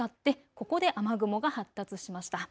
ここで雨雲が発達しました。